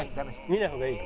見ない方がいい？